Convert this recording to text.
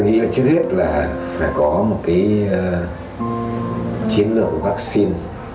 ông tôi nghĩ là trước hết là phải có một cái chiến lược của vaccine